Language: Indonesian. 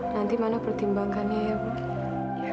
nanti mana pertimbangkannya ya bu